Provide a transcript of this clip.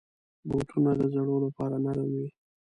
بوټونه د زړو لپاره نرم وي.